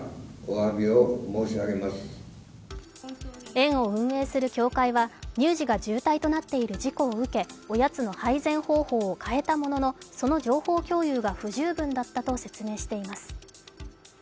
園を運営する協会は乳児が重体となっている事故を受けおやつの配膳方法を変えたものの、その情報共有が不十分だったと説明しています。